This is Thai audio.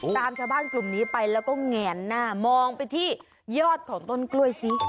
ตามชาวบ้านกลุ่มนี้ไปแล้วก็แงนหน้ามองไปที่ยอดของต้นกล้วยซิ